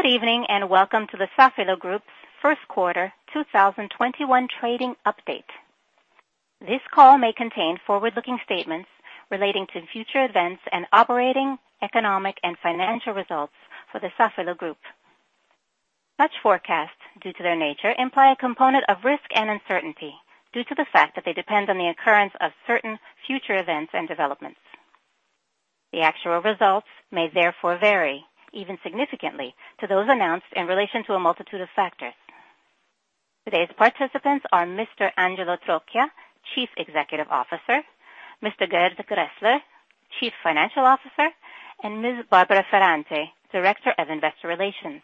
Good evening, and welcome to the Safilo Group's Q1 2021 trading update. This call may contain forward-looking statements relating to future events and operating economic and financial results for the Safilo Group. Such forecasts, due to their nature, imply a component of risk and uncertainty due to the fact that they depend on the occurrence of certain future events and developments. The actual results may therefore vary, even significantly to those announced in relation to a multitude of factors. Today's participants are Mr. Angelo Trocchia, Chief Executive Officer, Mr. Gerd Graehsler, Chief Financial Officer, and Ms. Barbara Ferrante, Director of Investor Relations.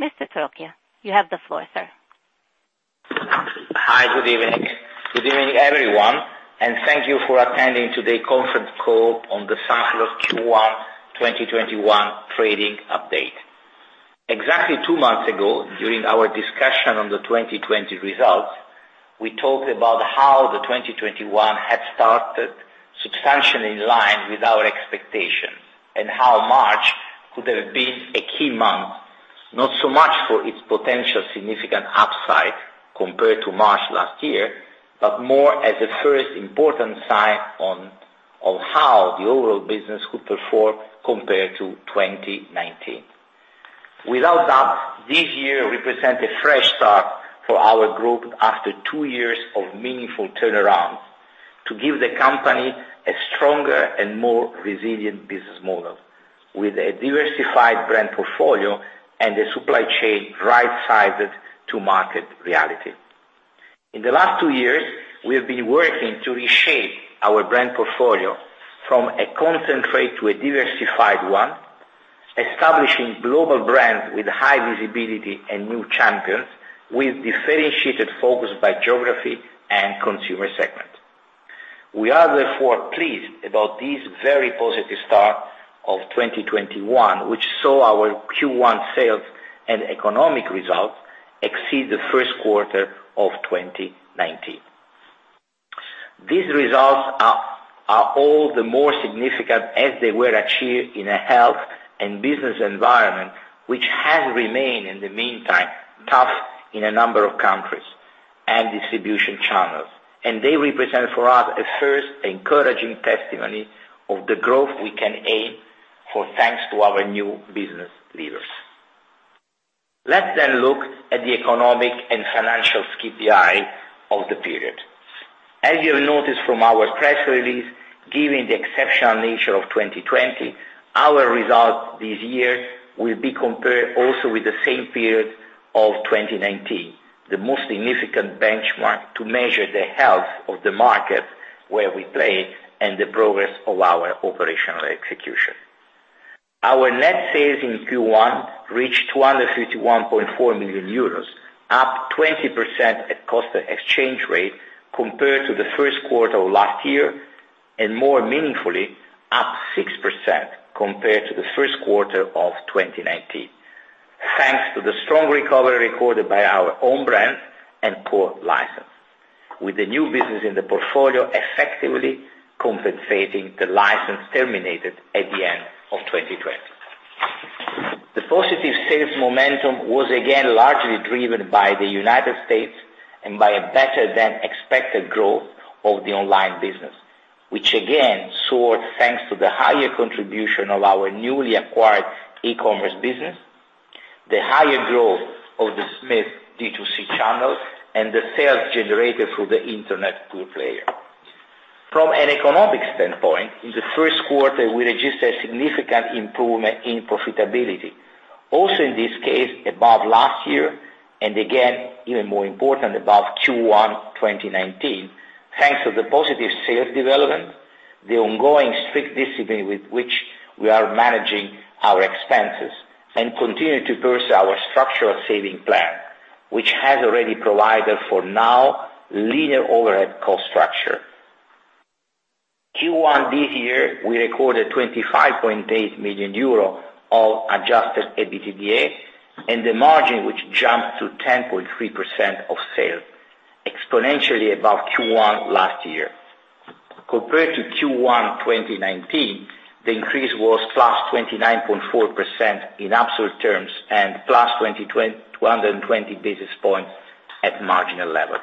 Mr. Trocchia, you have the floor, sir. Hi. Good evening. Good evening, everyone, and thank you for attending today's conference call on the Safilo's Q1 2021 trading update. Exactly two months ago, during our discussion on the 2020 results, we talked about how the 2021 had started substantially in line with our expectations and how March could have been a key month, not so much for its potential significant upside compared to March last year, but more as a first important sign on how the overall business could perform compared to 2019. Without doubt, this year represents a fresh start for our group after two years of meaningful turnaround to give the company a stronger and more resilient business model with a diversified brand portfolio and a supply chain right-sized to market reality. In the last two years, we have been working to reshape our brand portfolio from a concentrate to a diversified one, establishing global brands with high visibility and new champions, with differentiated focus by geography and consumer segment. We are therefore pleased about this very positive start of 2021, which saw our Q1 sales and economic results exceed the Q1 of 2019. These results are all the more significant as they were achieved in a health and business environment, which has remained, in the meantime, tough in a number of countries and distribution channels. They represent for us a first encouraging testimony of the growth we can aim for, thanks to our new business leaders. Let's look at the economic and financial KPI of the period. As you have noticed from our press release, given the exceptional nature of 2020, our results this year will be compared also with the same period of 2019, the most significant benchmark to measure the health of the market where we play and the progress of our operational execution. Our net sales in Q1 reached 251.4 million euros, up 20% at constant exchange rate compared to the Q1 of last year, and more meaningfully, up 6% compared to the Q1 of 2019. Thanks to the strong recovery recorded by our own brands and Polaroid, with the new business in the portfolio effectively compensating the license terminated at the end of 2020. The positive sales momentum was again largely driven by the United States and by a better-than-expected growth of the online business, which again, soared thanks to the higher contribution of our newly acquired e-commerce business, the higher growth of the Smith D2C channel, and the sales generated through the internet pure players. From an economic standpoint, in the Q1, we registered a significant improvement in profitability. Also, in this case, above last year, and again, even more important, above Q1 2019, thanks to the positive sales development, the ongoing strict discipline with which we are managing our expenses and continue to pursue our structural saving plan, which has already provided for now linear overhead cost structure. Q1 this year, we recorded 25.8 million euro of adjusted EBITDA and the margin, which jumped to 10.3% of sale, exponentially above Q1 last year. Compared to Q1 2019, the increase was +29.4% in absolute terms and +220 basis points at marginal level.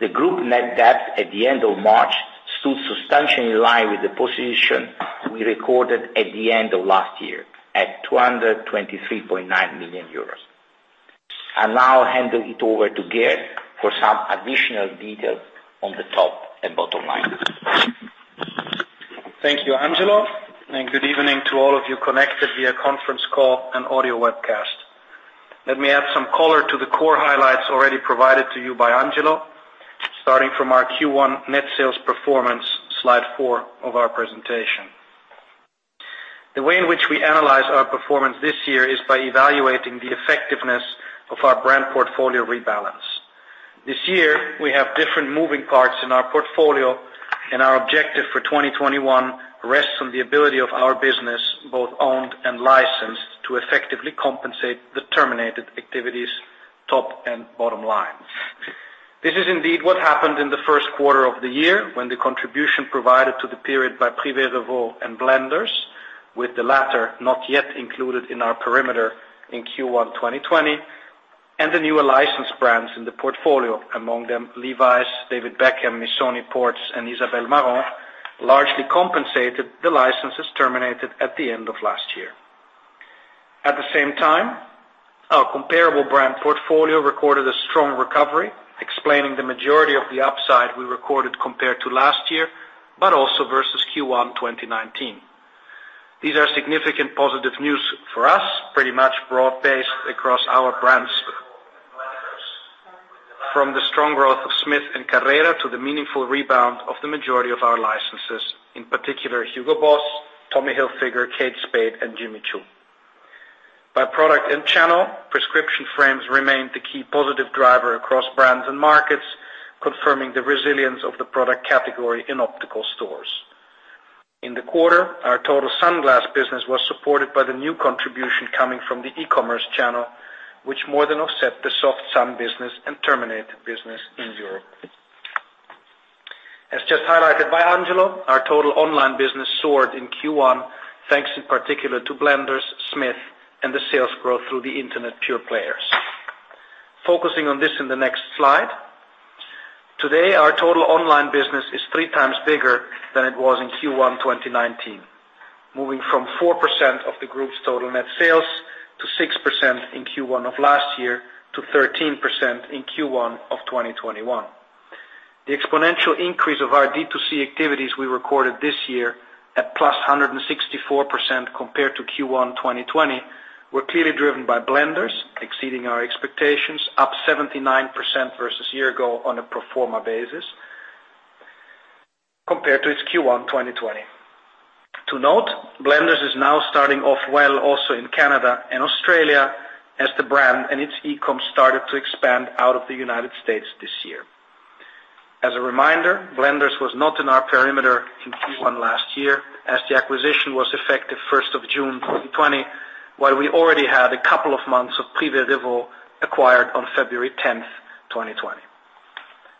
The group net debt at the end of March stood substantially in line with the position we recorded at the end of last year at 223.9 million euros. I'll now hand it over to Gerd for some additional details on the top and bottom line. Thank you, Angelo, and good evening to all of you connected via conference call and audio webcast. Let me add some color to the core highlights already provided to you by Angelo, starting from our Q1 net sales performance, slide four of our presentation. The way in which we analyze our performance this year is by evaluating the effectiveness of our brand portfolio rebalance. This year, we have different moving parts in our portfolio, and our objective for 2021 rests on the ability of our business, both owned and licensed, to effectively compensate the terminated activities' top and bottom line. This is indeed what happened in the Q1 of the year when the contribution provided to the period by Privé Revaux and Blenders, with the latter not yet included in our perimeter in Q1 2020, and the newer licensed brands in the portfolio, among them Levi's, David Beckham, Missoni, PORTS, and Isabel Marant, largely compensated the licenses terminated at the end of last year. At the same time, our comparable brand portfolio recorded a strong recovery, explaining the majority of the upside we recorded compared to last year, but also versus Q1 2019. These are significant positive news for us, pretty much broad-based across our brands from the strong growth of Smith and Carrera to the meaningful rebound of the majority of our licenses, in particular, Hugo Boss, Tommy Hilfiger, Kate Spade, and Jimmy Choo. By product and channel, prescription frames remained the key positive driver across brands and markets, confirming the resilience of the product category in optical stores. In the quarter, our total sunglass business was supported by the new contribution coming from the e-commerce channel, which more than offset the soft sun business and terminated business in Europe. As just highlighted by Angelo, our total online business soared in Q1, thanks in particular to Blenders, Smith, and the sales growth through the internet pure players. Focusing on this in the next slide. Today, our total online business is three times bigger than it was in Q1 2019, moving from 4% of the group's total net sales to 6% in Q1 of last year to 13% in Q1 of 2021. The exponential increase of our D2C activities we recorded this year at +164% compared to Q1 2020 were clearly driven by Blenders, exceeding our expectations, +79% versus a year ago on a pro forma basis compared to its Q1 2020. To note, Blenders is now starting off well also in Canada and Australia as the brand and its e-com started to expand out of the United States this year. As a reminder, Blenders was not in our perimeter in Q1 last year as the acquisition was effective June 1st, 2020, while we already had a couple of months of Privé Revaux acquired on February 10th, 2020.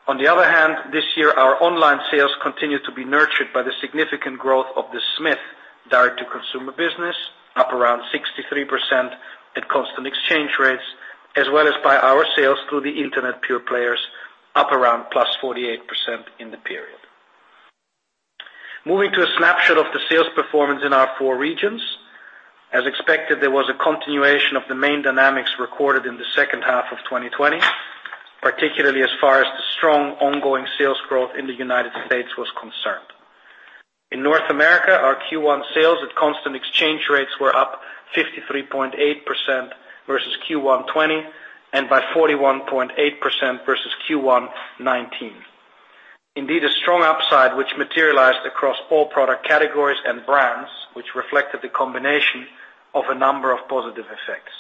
On the other hand, this year our online sales continued to be nurtured by the significant growth of the Smith direct-to-consumer business, up around 63% at constant exchange rates, as well as by our sales through the internet pure players, up around plus 48% in the period. Moving to a snapshot of the sales performance in our four regions. As expected, there was a continuation of the main dynamics recorded in the H2 of 2020, particularly as far as the strong ongoing sales growth in the United States was concerned. In North America, our Q1 sales at constant exchange rates were up 53.8% versus Q1 2020, and by 41.8% versus Q1 2019. Indeed, a strong upside which materialized across all product categories and brands, which reflected the combination of a number of positive effects.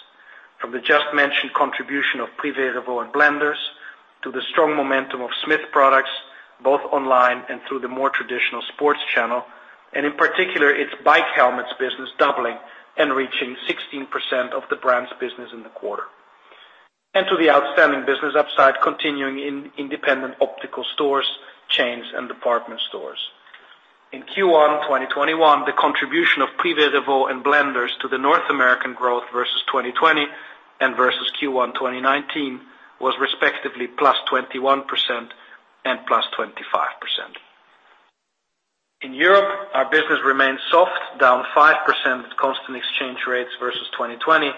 From the just mentioned contribution of Privé Revaux and Blenders to the strong momentum of Smith products, both online and through the more traditional sports channel, and in particular, its bike helmets business doubling and reaching 16% of the brand's business in the quarter. To the outstanding business upside continuing in independent optical stores, chains, and department stores. In Q1 2021, the contribution of Privé Revaux and Blenders to the North American growth versus 2020 and versus Q1 2019 was respectively +21% and +25%. In Europe, our business remained soft, down 5% at constant exchange rates versus 2020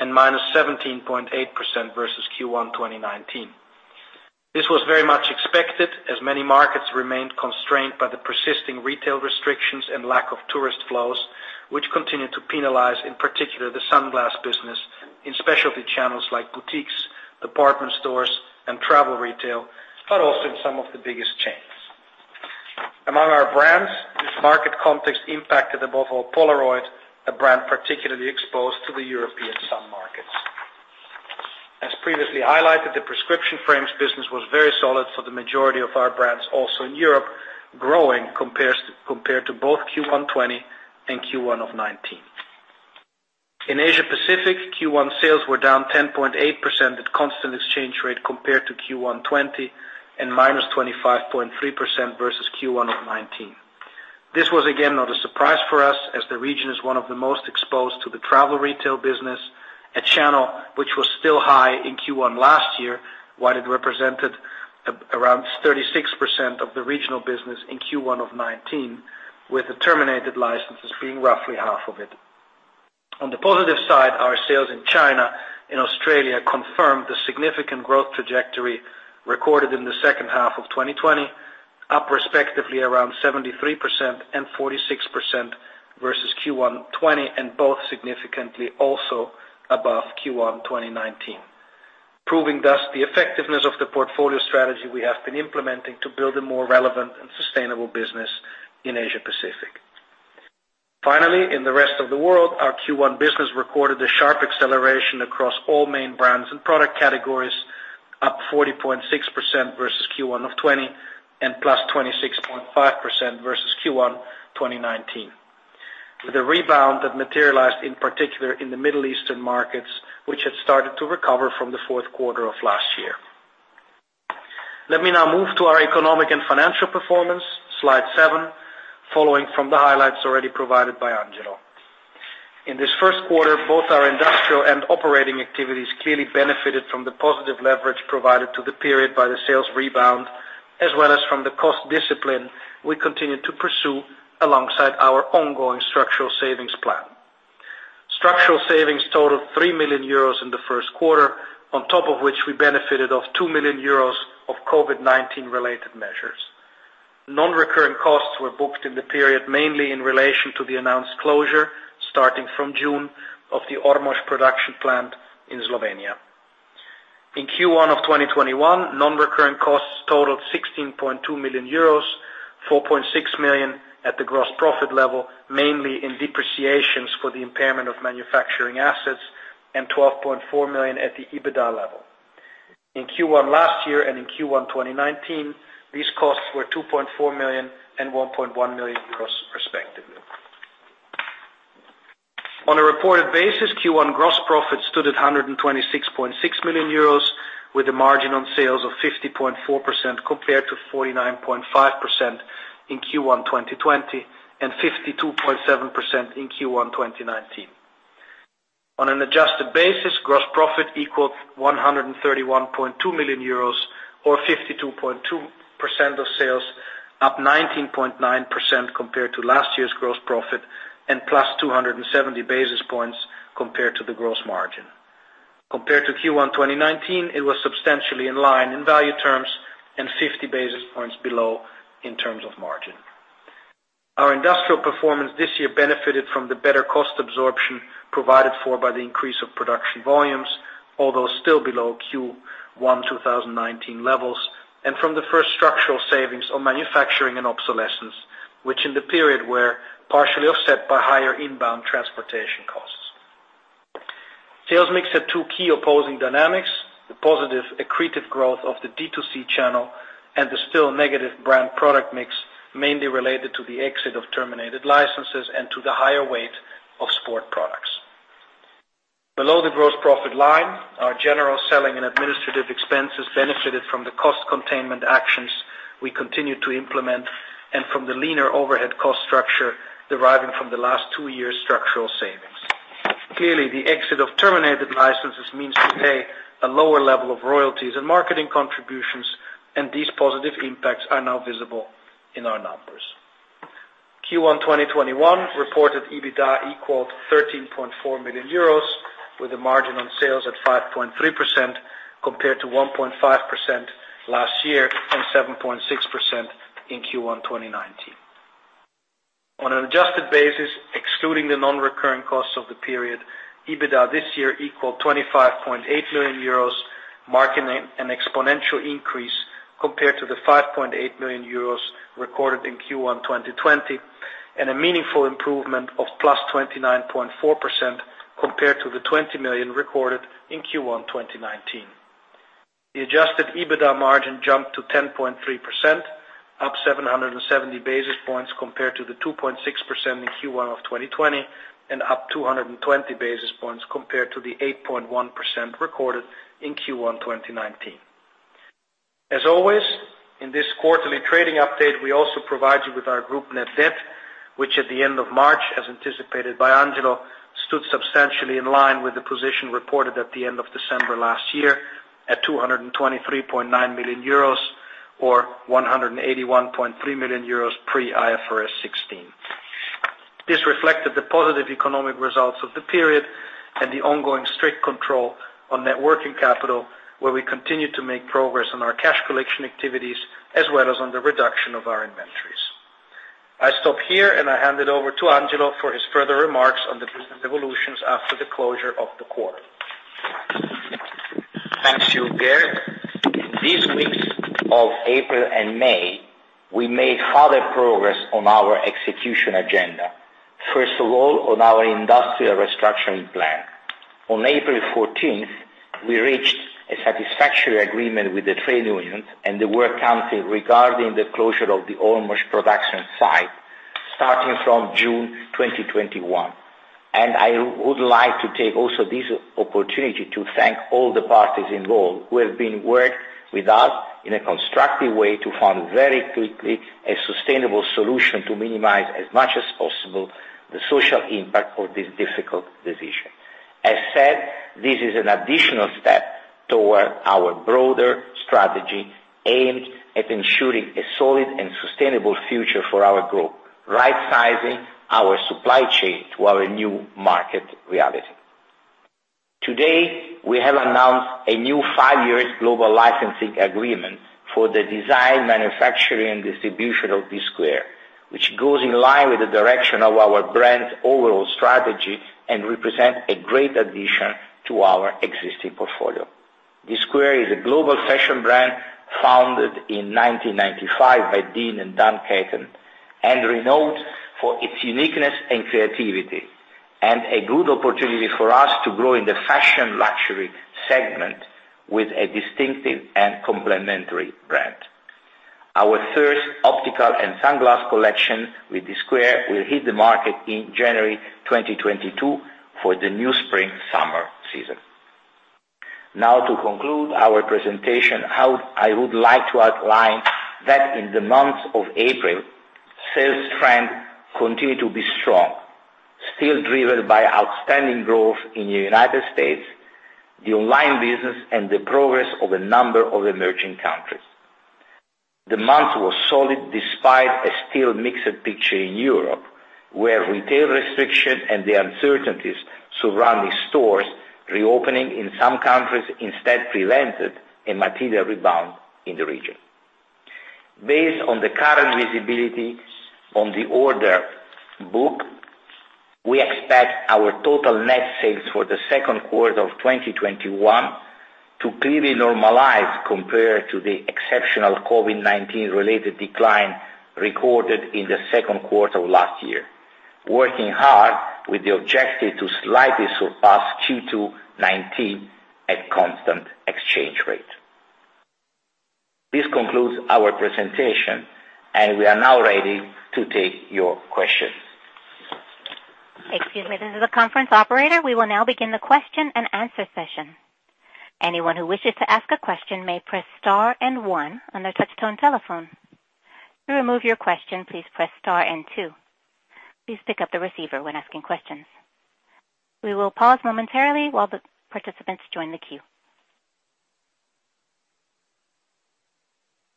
and -17.8% versus Q1 2019. This was very much expected as many markets remained constrained by the persisting retail restrictions and lack of tourist flows, which continued to penalize, in particular, the sunglass business in specialty channels like boutiques, department stores, and travel retail, but also in some of the biggest chains. Among our brands, this market context impacted above all Polaroid, a brand particularly exposed to the European sun markets. As previously highlighted, the prescription frames business was very solid for the majority of our brands, also in Europe, growing compared to both Q1 2020 and Q1 of 2019. In Asia Pacific, Q1 sales were down 10.8% at constant exchange rate compared to Q1 2020, and minus 25.3% versus Q1 of 2019. This was again not a surprise for us as the region is one of the most exposed to the travel retail business, a channel which was still high in Q1 last year, while it represented around 36% of the regional business in Q1 2019, with the terminated licenses being roughly half of it. On the positive side, our sales in China and Australia confirmed the significant growth trajectory recorded in the H2 of 2020, up respectively around 73% and 46% versus Q1 2020, and both significantly also above Q1 2019. Proving thus the effectiveness of the portfolio strategy we have been implementing to build a more relevant and sustainable business in Asia Pacific. Finally, in the rest of the world, our Q1 business recorded a sharp acceleration across all main brands and product categories, up 40.6% versus Q1 of 2020 and +26.5% versus Q1 2019. With a rebound that materialized in particular in the Middle Eastern markets, which had started to recover from the Q4 of last year. Let me now move to our economic and financial performance, slide seven, following from the highlights already provided by Angelo. In this Q1, both our industrial and operating activities clearly benefited from the positive leverage provided to the period by the sales rebound, as well as from the cost discipline we continued to pursue alongside our ongoing structural savings plan. Structural savings totaled 3 million euros in the Q1, on top of which we benefited of 2 million euros of COVID-19 related measures. Non-recurrent costs were booked in the period, mainly in relation to the announced closure, starting from June, of the Ormož production plant in Slovenia. In Q1 of 2021, non-recurrent costs totaled 16.2 million euros, 4.6 million at the gross profit level, mainly in depreciations for the impairment of manufacturing assets, and 12.4 million at the EBITDA level. In Q1 last year and in Q1 2019, these costs were 2.4 million and 1.1 million euros respectively. On a reported basis, Q1 gross profit stood at 126.6 million euros, with a margin on sales of 50.4% compared to 49.5% in Q1 2020 and 52.7% in Q1 2019. On an adjusted basis, gross profit equaled 131.2 million euros or 52.2% of sales, up 19.9% compared to last year's gross profit and plus 270 basis points compared to the gross margin. Compared to Q1 2019, it was substantially in line in value terms and 50 basis points below in terms of margin. Our industrial performance this year benefited from the better cost absorption provided for by the increase of production volumes, although still below Q1 2019 levels, and from the first structural savings on manufacturing and obsolescence, which in the period were partially offset by higher inbound transportation costs. Sales mix had two key opposing dynamics, the positive accretive growth of the D2C channel, and the still negative brand product mix, mainly related to the exit of terminated licenses and to the higher weight of sport products. Below the gross profit line, our general selling and administrative expenses benefited from the cost containment actions we continued to implement and from the leaner overhead cost structure deriving from the last two years' structural savings. Clearly, the exit of terminated licenses means we pay a lower level of royalties and marketing contributions, and these positive impacts are now visible in our numbers. Q1 2021 reported EBITDA equaled €13.4 million, with a margin on sales at 5.3%, compared to 1.5% last year and 7.6% in Q1 2019. On an adjusted basis, excluding the non-recurrent costs of the period, EBITDA this year equaled €25.8 million, marking an exponential increase compared to the €5.8 million recorded in Q1 2020, and a meaningful improvement of plus 29.4% compared to the 20 million recorded in Q1 2019. The adjusted EBITDA margin jumped to 10.3%, up 770 basis points compared to the 2.6% in Q1 of 2020, and up 220 basis points compared to the 8.1% recorded in Q1 2019. As always, in this quarterly trading update, we also provide you with our group net debt, which at the end of March, as anticipated by Angelo, stood substantially in line with the position reported at the end of December last year at 223.9 million euros or 181.3 million euros pre IFRS 16. This reflected the positive economic results of the period and the ongoing strict control on net working capital, where we continued to make progress on our cash collection activities, as well as on the reduction of our inventories. I stop here and I hand it over to Angelo for his further remarks on the evolutions after the closure of the quarter. Thanks to you, Gerd. These weeks of April and May, we made solid progress on our execution agenda. First of all, on our industrial restructuring plan. On April 14th, we reached a satisfactory agreement with the trade union and the work council regarding the closure of the Ormož production site starting from June 2021. I would like to take also this opportunity to thank all the parties involved who have been working with us in a constructive way to find very quickly a sustainable solution to minimize as much as possible the social impact of this difficult decision. As said, this is an additional step toward our broader strategy aimed at ensuring a solid and sustainable future for our group, rightsizing our supply chain to our new market reality. Today, we have announced a new five-year global licensing agreement for the design, manufacturing, and distribution of Dsquared2, which goes in line with the direction of our brand's overall strategy and represents a great addition to our existing portfolio. Dsquared2 is a global fashion brand founded in 1995 by Dean and Dan Caten and renowned for its uniqueness and creativity, and a good opportunity for us to grow in the fashion luxury segment with a distinctive and complementary brand. Our first optical and sunglass collection with Dsquared2 will hit the market in January 2022 for the new spring/summer season. Now to conclude our presentation, I would like to outline that in the month of April, sales trend continued to be strong, still driven by outstanding growth in the United States, the online business, and the progress of a number of emerging countries. The month was solid despite a still mixed picture in Europe, where retail restriction and the uncertainties surrounding stores reopening in some countries instead prevented a material rebound in the region. Based on the current visibility on the order book, we expect our total net sales for the Q2 of 2021 to clearly normalize compared to the exceptional COVID-19 related decline recorded in the Q2 of last year, working hard with the objective to slightly surpass Q2 2019 at constant exchange rate. This concludes our presentation. We are now ready to take your questions. Excuse me, this is the conference operator. We will now begin the question and answer session. Anyone who wishes to ask a question may press star one on their touch-tone telephone. To remove your question, please press star two. Please pick up the receiver when asking questions. We will pause momentarily while the participants join the queue.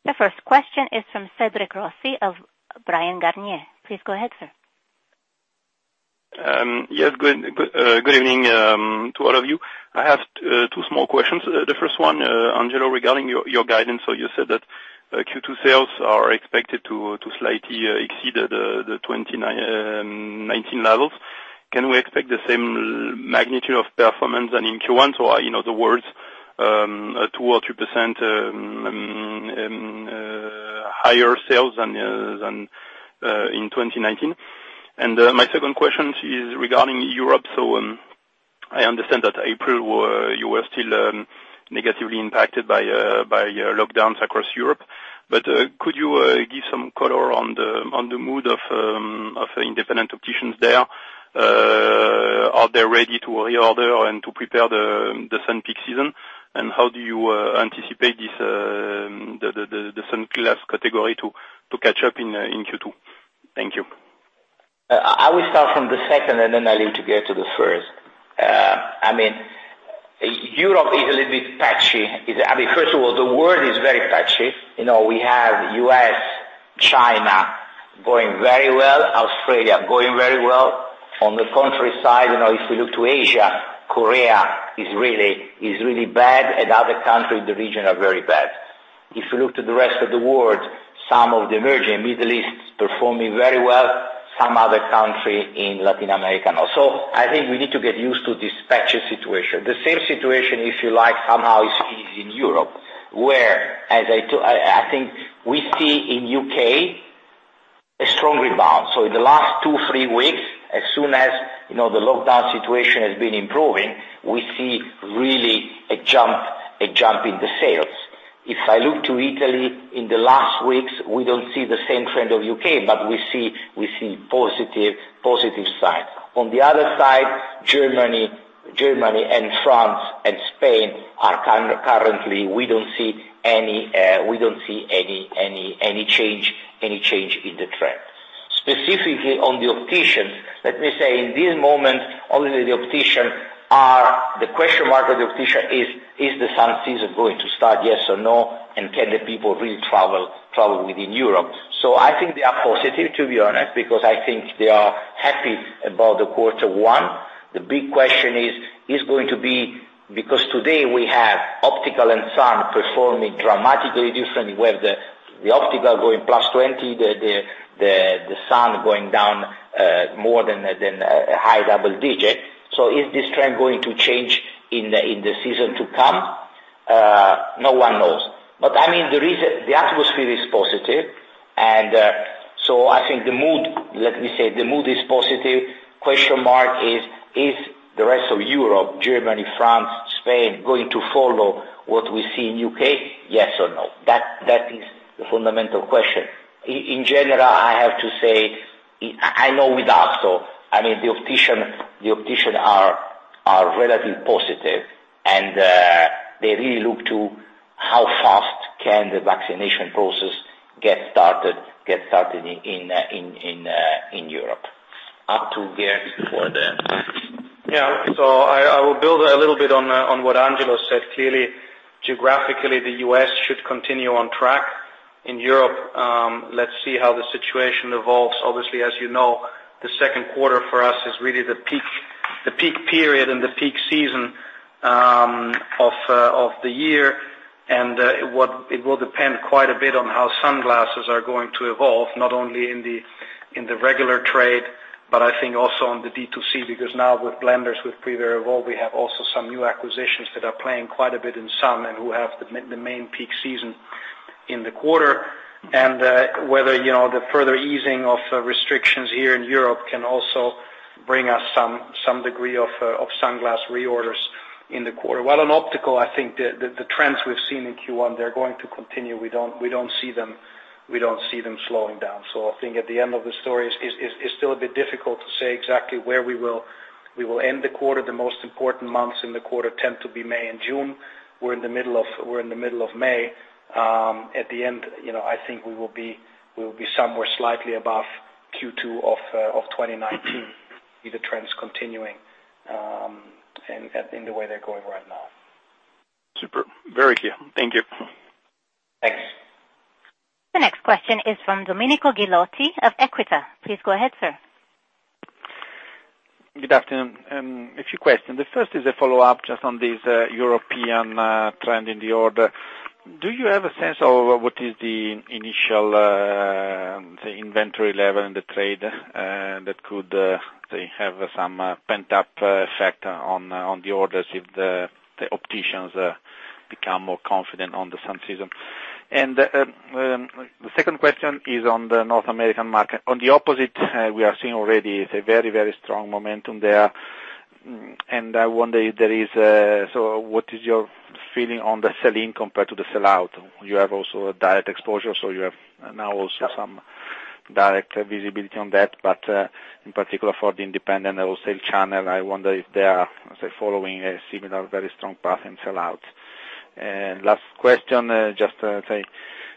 The first question is from Cédric Rossi of Bryan Garnier. Please go ahead, sir. Yes. Good evening to all of you. I have two small questions. The first one, Angelo, regarding your guidance. You said that Q2 sales are expected to slightly exceed the 2019 levels. Can we expect the same magnitude of performance than in Q1? In other words, 2% or 3% higher sales than in 2019? My second question is regarding Europe. I understand that April, you were still negatively impacted by lockdowns across Europe. Could you give some color on the mood of independent opticians there? Are they ready to reorder and to prepare the sun peak season? How do you anticipate the sun glass category to catch up in Q2? Thank you. I will start from the second, then I'll integrate to the first. Europe is a little bit patchy. First of all, the world is very patchy. We have U.S., China going very well, Australia going very well. On the contrary side, if we look to Asia, Korea is really bad and other country in the region are very bad. If you look to the rest of the world, some of the emerging Middle East performing very well, some other country in Latin America also. I think we need to get used to this patchy situation. The same situation, if you like, somehow is in Europe, where I think we see in U.K. a strong rebound. In the last two, three weeks, as soon as the lockdown situation has been improving, we see really a jump in the sales. If I look to Italy in the last weeks, we don't see the same trend of U.K., but we see positive signs. On the other side, Germany and France and Spain, currently we don't see any change in the trend. Specifically on the opticians, let me say in this moment, obviously the question mark of the optician is the sun season going to start, yes or no? Can the people really travel within Europe? I think they are positive, to be honest, because I think they are happy about the quarter one. The big question is going to be, because today we have optical and sun performing dramatically different. We have the optical going +20%, the sun going down more than a high double-digit. Is this trend going to change in the season to come? No one knows. The atmosphere is positive. I think let me say the mood is positive. Question mark is the rest of Europe, Germany, France, Spain, going to follow what we see in U.K., yes or no? That is the fundamental question. In general, I have to say, I know with Luxottica, the optician are relatively positive, and they really look to how fast can the vaccination process get started in Europe. Up to Gerd before the. I will build a little bit on what Angelo said. Clearly, geographically, the U.S. should continue on track. In Europe, let's see how the situation evolves. Obviously, as you know, the Q2 for us is really the peak period and the peak season of the year. It will depend quite a bit on how sunglasses are going to evolve, not only in the regular trade, but I think also on the D2C, because now with Blenders, with Privé Revaux, we have also some new acquisitions that are playing quite a bit in sun and who have the main peak season in the quarter. Whether the further easing of restrictions here in Europe can also Bring us some degree of sunglass reorders in the quarter. While in optical, I think the trends we've seen in Q1, they're going to continue. We don't see them slowing down. I think at the end of the story, it's still a bit difficult to say exactly where we will end the quarter. The most important months in the quarter tend to be May and June. We're in the middle of May. At the end, I think we will be somewhere slightly above Q2 of 2019, with the trends continuing in the way they're going right now. Super. Very clear. Thank you. Thanks. The next question is from Domenico Ghilotti of Equita. Please go ahead, sir. Good afternoon. A few questions. The first is a follow-up just on this European trend in the order. Do you have a sense of what is the initial inventory level in the trade that could have some pent-up effect on the orders if the opticians become more confident on the sun season? The second question is on the North American market. On the opposite, we are seeing already a very strong momentum there. I wonder, what is your feeling on the selling compared to the sellout? You have also a direct exposure, you have now also some direct visibility on that. In particular for the independent wholesale channel, I wonder if they are following a similar very strong path in sellout. Last question,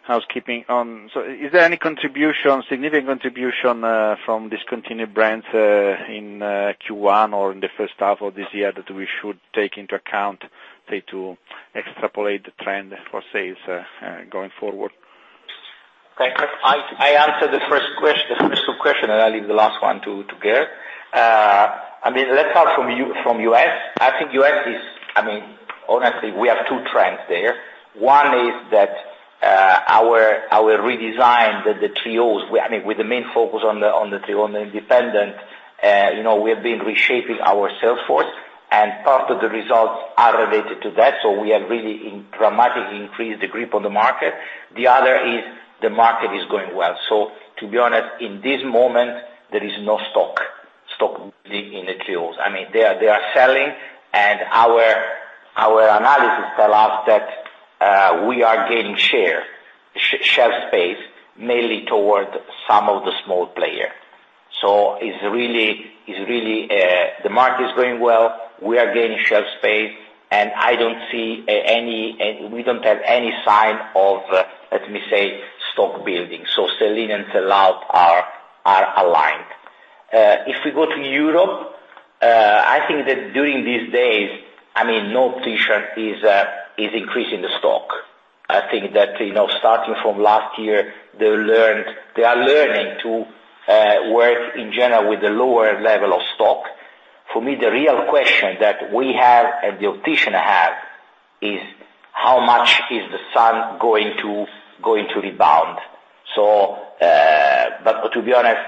housekeeping on, is there any significant contribution from discontinued brands in Q1 or in the H1 of this year that we should take into account to extrapolate the trend, let's say, going forward? I answer the first two questions. I leave the last one to Gerd. Let's start from U.S. I think U.S. is. Honestly, we have two trends there. One is that our redesign that the TOs, with the main focus on the TO, on the independent, we've been reshaping our sales force. Part of the results are related to that. We have really dramatically increased the grip on the market. The other is the market is going well. To be honest, in this moment, there is no stock building in the TOs. They are selling. Our analysis tell us that we are gaining share, shelf space, mainly toward some of the small players. The market is going well, we are gaining shelf space. We don't have any sign of, let me say, stock building. Selling and sellout are aligned. We go to Europe, I think that during these days, no optician is increasing the stock. I think that starting from last year, they are learning to work in general with a lower level of stock. For me, the real question that we have and the optician have is how much is the sun going to rebound? To be honest,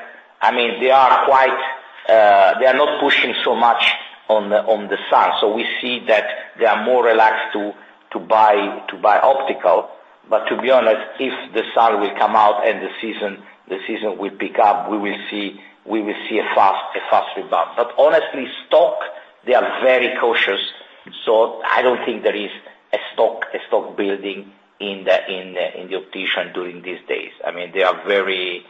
they are not pushing so much on the sun. We see that they are more relaxed to buy optical. To be honest, if the sun will come out and the season will pick up, we will see a fast rebound. Honestly, stock, they are very cautious. I don't think there is a stock building in the optician during these days. They are very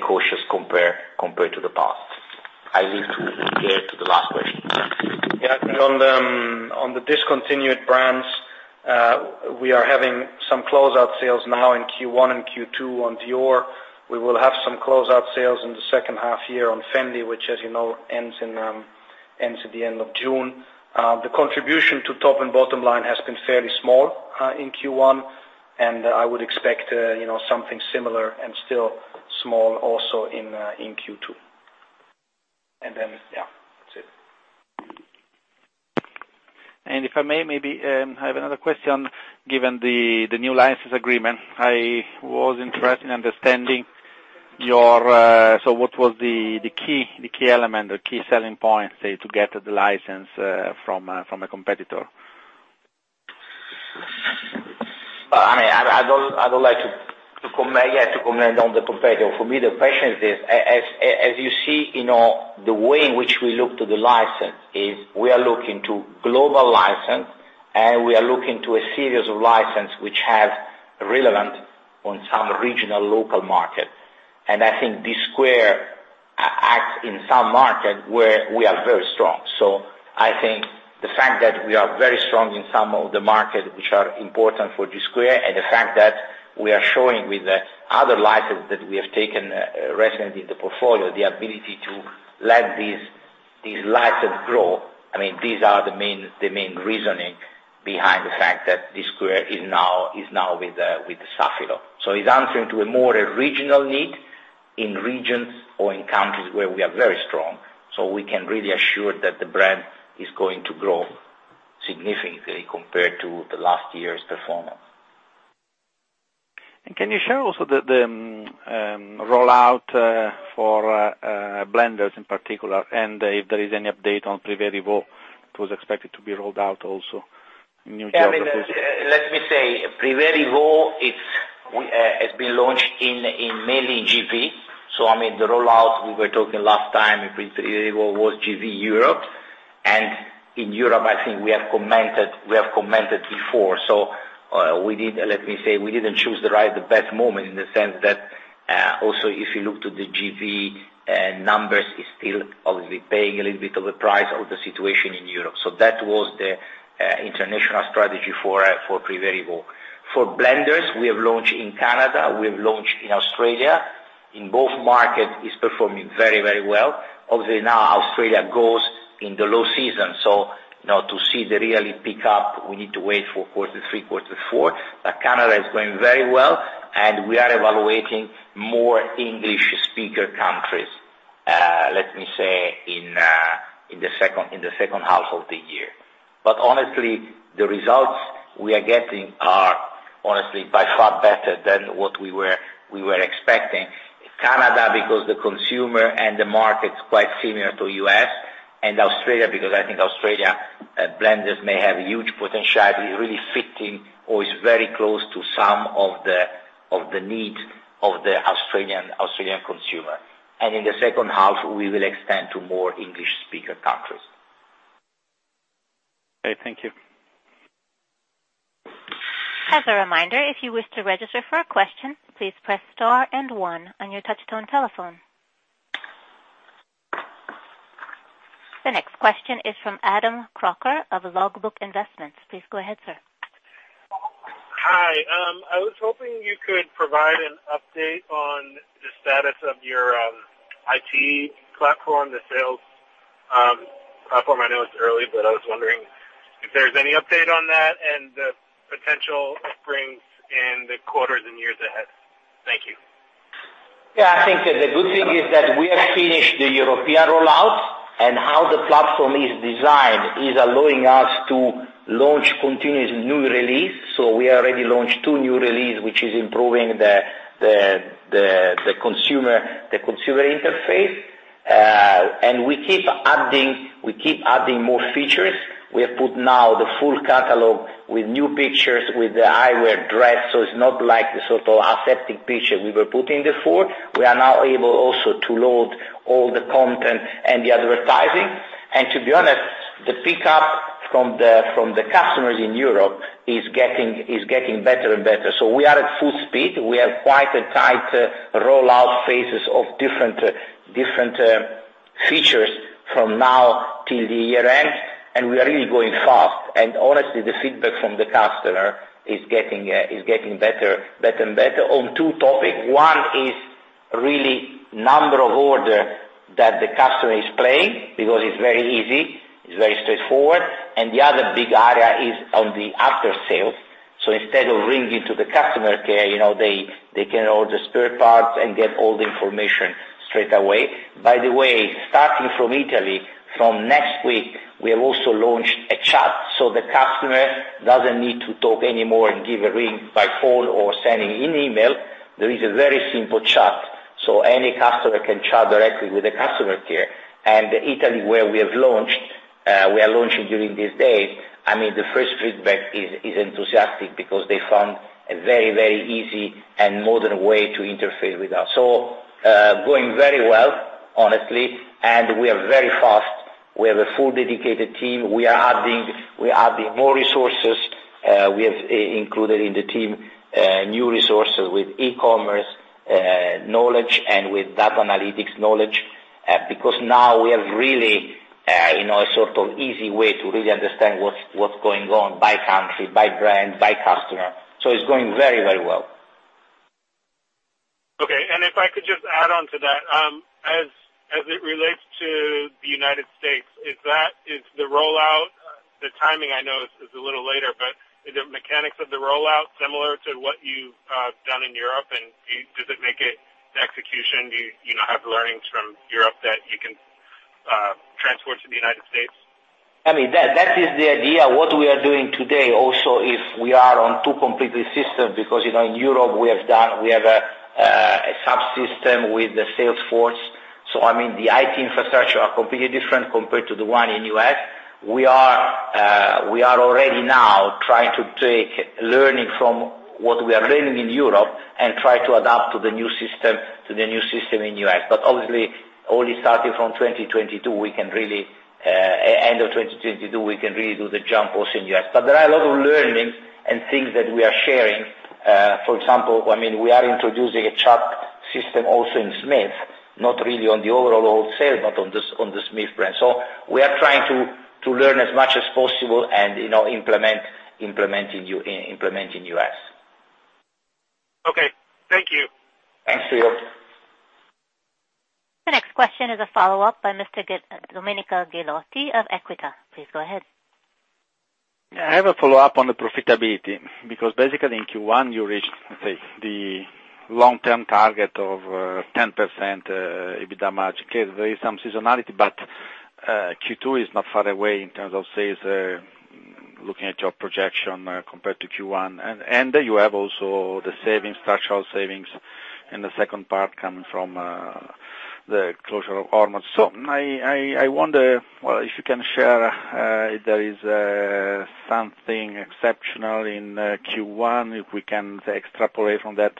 cautious compared to the past. I leave Gerd to the last question. On the discontinued brands, we are having some closeout sales now in Q1 and Q2 on Dior. We will have some closeout sales in the H2 year on Fendi, which as you know, ends at the end of June. The contribution to top and bottom line has been fairly small in Q1, and I would expect something similar and still small also in Q2. That's it. If I may, maybe I have another question, given the new license agreement. I was interested in understanding, what was the key element, the key selling points to get the license from a competitor? I don't like to comment on the competitor. For me, the question is, as you see, the way in which we look to the license is we are looking to global license, and we are looking to a series of license which have relevant on some regional local market. I think Dsquared2 acts in some market where we are very strong. I think the fact that we are very strong in some of the markets which are important for Dsquared2, and the fact that we are showing with the other licenses that we have taken recently in the portfolio, the ability to let these licenses grow. These are the main reasoning behind the fact that Dsquared2 is now with Safilo. It's answering to a more regional need in regions or in countries where we are very strong. We can really assure that the brand is going to grow significantly compared to the last year's performance. Can you share also the rollout for Blenders in particular, and if there is any update on Privé Revaux? It was expected to be rolled out also Let me say, Privé Revaux has been launched mainly in GP. The rollout we were talking last time was GP Europe, and in Europe, I think we have commented before. Let me say, we didn't choose the best moment in the sense that, also, if you look to the GP numbers, it's still obviously paying a little bit of a price of the situation in Europe. That was the international strategy for Privé Revaux. For Blenders, we have launched in Canada, we have launched in Australia. In both markets, it's performing very well. Obviously, now Australia goes in the low season, so to see the really pick up, we need to wait for quarter three, quarter four. Canada is going very well, and we are evaluating more English speaker countries, let me say, in the H2 of the year. Honestly, the results we are getting are honestly by far better than what we were expecting. Canada, because the consumer and the market's quite similar to U.S., and Australia, because I think Australia Blenders may have huge potential. I think it's really fitting or is very close to some of the needs of the Australian consumer. In the H2, we will extend to more English speaker countries. Okay, thank you. As a reminder, if you wish to register for a question, please press star and one on your touchtone telephone. The next question is from Adam Crocker of Logbook Investments. Please go ahead, sir. Hi. I was hoping you could provide an update on the status of your IT platform, the sales platform. I know it's early, I was wondering if there's any update on that and the potential it brings in the quarters and years ahead. Thank you. Yeah, I think that the good thing is that we have finished the European rollout. How the platform is designed is allowing us to launch continuous new release. We already launched two new release, which is improving the consumer interface. We keep adding more features. We have put now the full catalog with new pictures, with the eyewear dressed, so it's not like the sort of existing picture we were putting before. We are now able also to load all the content and the advertising. To be honest, the pickup from the customers in Europe is getting better and better. We are at full speed. We have quite a tight rollout phases of different features from now till the year end. We are really going fast. Honestly, the feedback from the customer is getting better and better on two topics. One is really number of order that the customer is playing, because it's very easy, it's very straightforward. The other big area is on the after-sales. Instead of ringing to the customer care, they can order spare parts and get all the information straight away. By the way, starting from Italy, from next week, we have also launched a chat so the customer doesn't need to talk anymore and give a ring by phone or sending an email. There is a very simple chat, so any customer can chat directly with the customer care. Italy, where we have launched, we are launching during this day, the first feedback is enthusiastic because they found a very easy and modern way to interface with us. Going very well, honestly, and we are very fast. We have a full dedicated team. We are adding more resources. We have included in the team new resources with e-commerce knowledge and with data analytics knowledge, because now we have really a sort of easy way to really understand what's going on by country, by brand, by customer. It's going very well. Okay. If I could just add on to that, as it relates to the United States, is the rollout, the timing I know is a little later, but is the mechanics of the rollout similar to what you've done in Europe, and does it make it execution? Do you have learnings from Europe that you can transport to the United States? That is the idea. What we are doing today also, if we are on two completely systems, because in Europe we have a subsystem with the Salesforce. The IT infrastructure are completely different compared to the one in U.S. We are already now trying to take learning from what we are learning in Europe and try to adapt to the new system in U.S. Obviously, only starting from 2022, end of 2022, we can really do the jump also in U.S. There are a lot of learnings and things that we are sharing. For example, we are introducing a chat system also in Smith, not really on the overall wholesale, but on the Smith brand. We are trying to learn as much as possible and implement in U.S. Okay. Thank you. Thanks to you. The next question is a follow-up by Mr. Domenico Ghilotti of Equita. Please go ahead. I have a follow-up on the profitability, because basically in Q1 you reached the long-term target of 10% EBITDA margin. Okay, there is some seasonality, but Q2 is not far away in terms of looking at your projection compared to Q1. You have also the structural savings in the second part coming from the closure of Ormož. I wonder if you can share if there is something exceptional in Q1, if we can extrapolate from that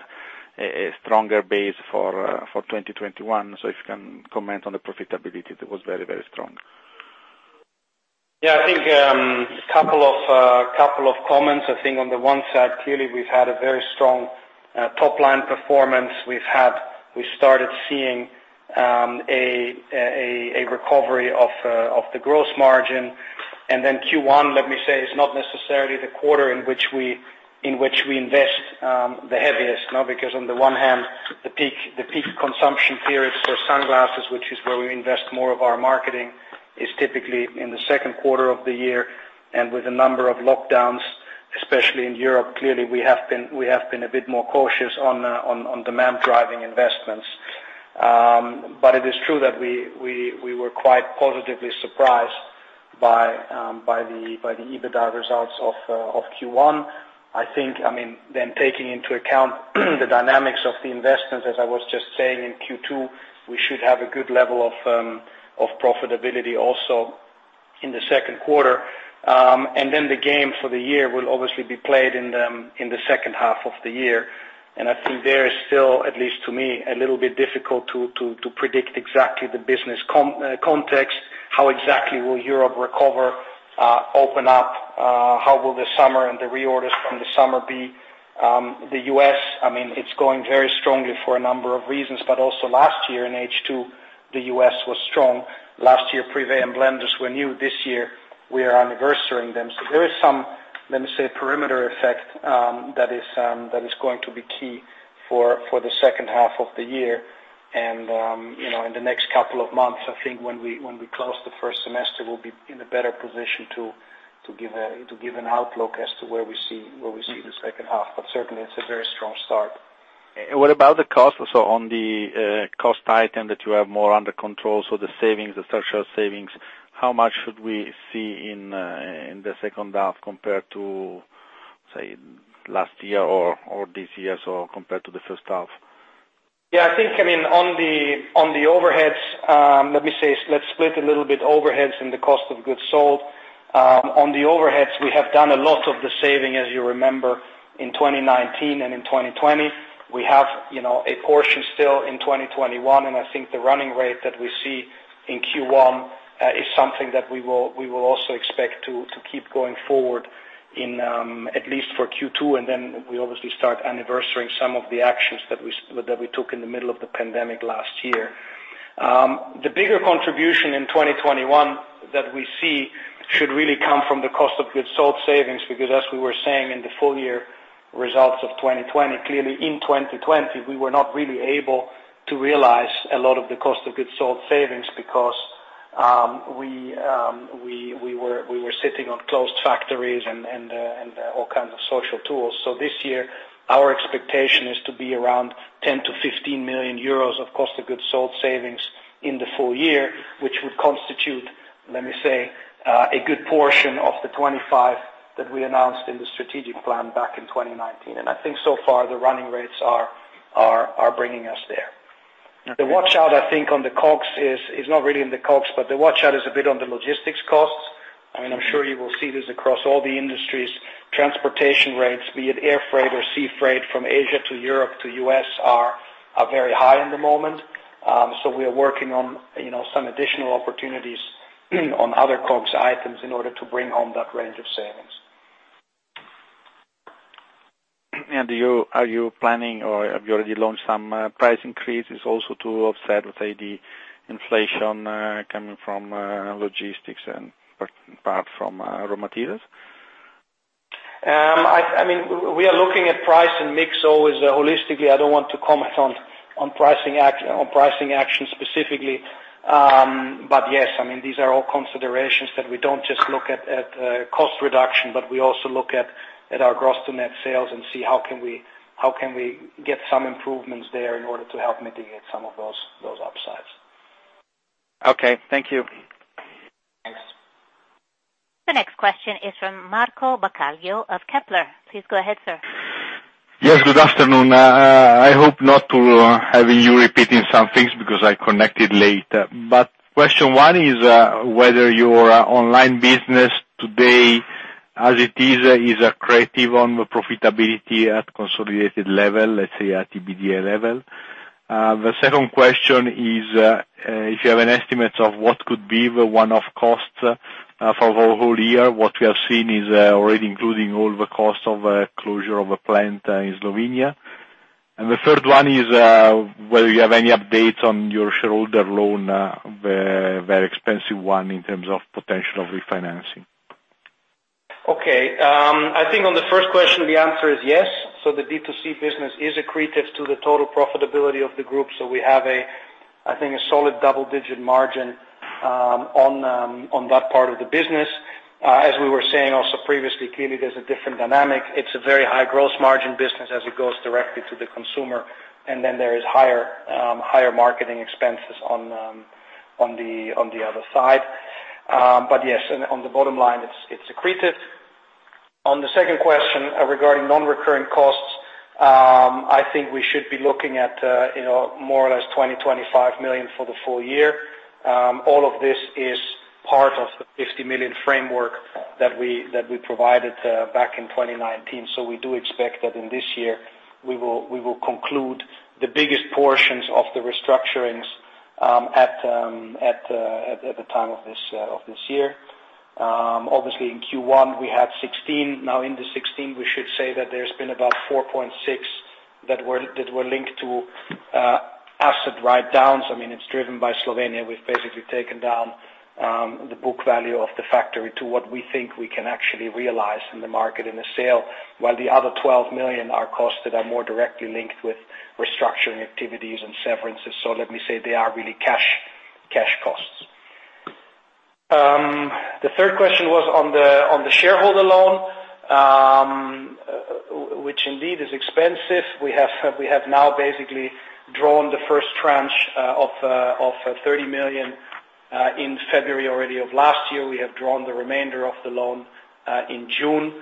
a stronger base for 2021. If you can comment on the profitability, that was very, very strong. Yeah, I think couple of comments. I think on the one side, clearly we've had a very strong top-line performance. We started seeing a recovery of the gross margin. Q1, let me say, is not necessarily the quarter in which we invest the heaviest, because on the one hand, the peak consumption period for sunglasses, which is where we invest more of our marketing, is typically in the Q2 of the year. With a number of lockdowns, especially in Europe, clearly we have been a bit more cautious on demand driving investments. It is true that we were quite positively surprised by the EBITDA results of Q1. I think, taking into account the dynamics of the investments, as I was just saying, in Q2, we should have a good level of profitability also in the Q2. The game for the year will obviously be played in the H2 of the year. I think there is still, at least to me, a little bit difficult to predict exactly the business context, how exactly will Europe recover, open up, how will the summer and the reorders from the summer be? The U.S., it is going very strongly for a number of reasons, but also last year in H2, the U.S. was strong. Last year, Privé and Blenders were new. This year we are anniversarying them. There is some, let me say, perimeter effect that is going to be key for the H2 of the year. In the next couple of months, I think when we close the first semester, we will be in a better position to give an outlook as to where we see the H2. Certainly it's a very strong start. What about the cost? On the cost item that you have more under control, the savings, the structural savings, how much should we see in the H2 compared to, say, last year or this year? Compared to the H1? I think, on the overheads, let me say, let's split a little bit overheads and the cost of goods sold. On the overheads, we have done a lot of the saving, as you remember, in 2019 and in 2020. We have a portion still in 2021, and I think the running rate that we see in Q1 is something that we will also expect to keep going forward in at least for Q2, and then we obviously start anniversarying some of the actions that we took in the middle of the pandemic last year. The bigger contribution in 2021 that we see should really come from the cost of goods sold savings because as we were saying in the full year results of 2020, clearly in 2020, we were not really able to realize a lot of the cost of goods sold savings because we were sitting on closed factories and all kinds of social tools. This year, our expectation is to be around 10 million-15 million euros of cost of goods sold savings in the full year, which would constitute, let me say, a good portion of the 25 that we announced in the strategic plan back in 2019. I think so far the running rates are bringing us there. Okay. The watch out, I think, on the COGS is, it's not really in the COGS, but the watch out is a bit on the logistics costs. I'm sure you will see this across all the industries, transportation rates, be it air freight or sea freight from Asia to Europe to U.S. are very high in the moment. We are working on some additional opportunities on other COGS items in order to bring home that range of savings. Are you planning or have you already launched some price increases also to offset with, say, the inflation coming from logistics and part from raw materials? We are looking at price and mix always holistically. I don't want to comment on pricing action specifically. Yes, these are all considerations that we don't just look at cost reduction, but we also look at our gross to net sales and see how can we get some improvements there in order to help mitigate some of those upsides. Okay. Thank you. Thanks. The next question is from Marco Baccaglio of Kepler. Please go ahead, sir. Yes, good afternoon. I hope not to having you repeating some things because I connected late. Question one is whether your online business today as it is accretive on the profitability at consolidated level, let's say at EBITDA level. The second question is if you have an estimate of what could be the one-off costs for the whole year, what we have seen is already including all the costs of closure of a plant in Slovenia. The third one is whether you have any updates on your shareholder loan, the very expensive one in terms of potential refinancing. Okay. I think on the first question, the answer is yes. The B2C business is accretive to the total profitability of the group, we have, I think, a solid double-digit margin on that part of the business. As we were saying also previously, clearly there's a different dynamic. It's a very high gross margin business as it goes directly to the consumer, and then there is higher marketing expenses on the other side. Yes, on the bottom line it's accretive. On the second question regarding non-recurring costs, I think we should be looking at more or less 20 million-25 million for the full year. All of this is part of the 50 million framework that we provided back in 2019. We do expect that in this year, we will conclude the biggest portions of the restructurings at the time of this year. In Q1, we had 16 million. In the 16 million, we should say that there's been about 4.6 million that were linked to asset write-downs. I mean, it's driven by Slovenia. We've basically taken down the book value of the factory to what we think we can actually realize in the market in a sale, while the other 12 million are costs that are more directly linked with restructuring activities and severances. Let me say they are really cash costs. The third question was on the shareholder loan, which indeed is expensive. We have now basically drawn the first tranche of 30 million in February already of last year. We have drawn the remainder of the loan in June.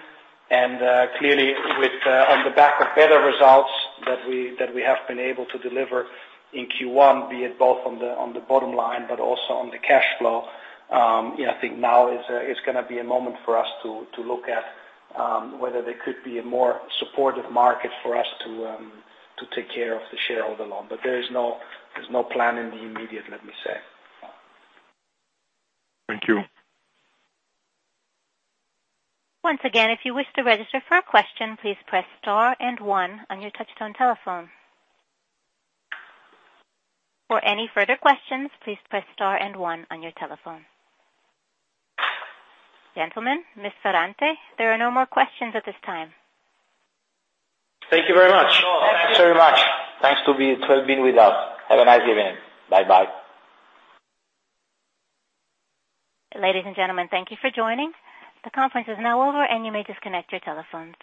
Clearly on the back of better results that we have been able to deliver in Q1, be it both on the bottom line, but also on the cash flow, I think now it's going to be a moment for us to look at whether there could be a more supportive market for us to take care of the shareholder loan. There's no plan in the immediate, let me say. Thank you. Gentlemen, Ms. Ferrante, there are no more questions at this time. Thank you very much. Thanks very much. Thanks to all being with us. Have a nice evening. Bye-bye. Ladies and gentlemen, thank you for joining. The conference is now over and you may disconnect your telephones.